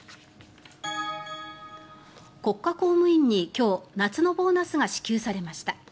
国家公務員に今日夏のボーナスが支給されました。